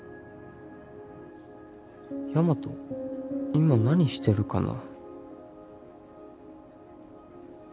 今何してるかな？